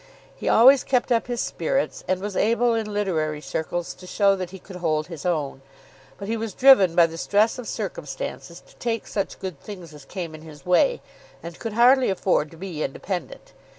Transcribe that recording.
He always kept up his spirits, and was able in literary circles to show that he could hold his own. But he was driven by the stress of circumstances to take such good things as came in his way, and could hardly afford to be independent.